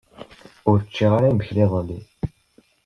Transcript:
Ur ččiɣ ara imekli iḍelli.